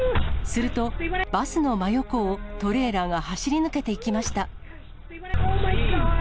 すると、バスの真横をトレーラーが走り抜けていきました。